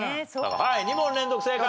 はい２問連続正解。